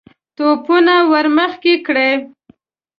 توپونه ور مخکې کړئ!